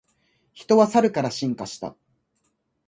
人はサルから進化した